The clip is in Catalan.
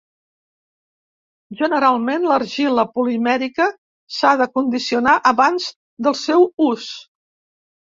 Generalment, l'argila polimèrica s'ha de condicionar abans del seu ús.